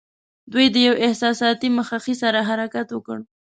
دوی د یوې احساساتي مخه ښې سره حرکت وکړ.